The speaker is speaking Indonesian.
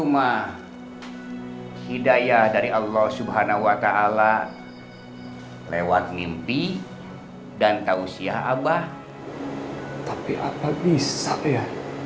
cuma hidayah dari allah subhanahuwata'ala lewat mimpi dan kausiah abah tapi apa bisa ya